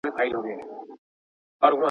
شرم د انسان د پرمختګ مخه نیسي.